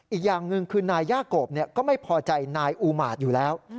อีกอย่างหนึ่งคือนายย่าโกบก็ไม่พอใจนายอูมาตรอยู่แล้ว